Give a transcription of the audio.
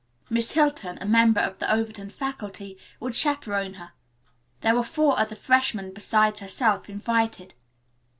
Miss Hilton, a member of the Overton faculty, would chaperon her. There were four other freshmen besides herself invited.